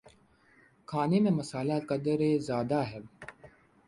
کھانے میں مصالحہ قدرے زیادہ ہے